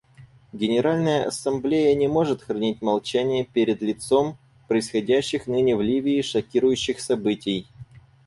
Генеральная Ассамблея не может хранить молчание перед лицом происходящих ныне в Ливии шокирующих событий.